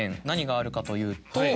何があるかというと。